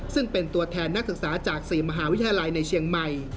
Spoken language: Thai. ซึ่งเป็นตัวแทนนักศึกษาจาก๔มหาวิทยาลัยในเชียงใหม่